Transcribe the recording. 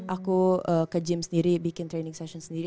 aku ke gym sendiri bikin training session sendiri